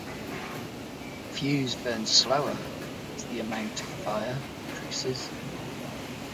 The fuse burns slower as the amount of fire increases.